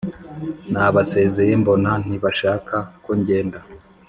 nabasezeye mbona ntibashaka ko ngenda